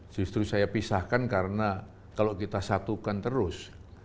justru saya pisahkan karena kalau kita satukan terus